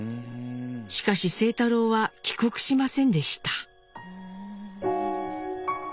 しかし清太郎は帰国しませんでした。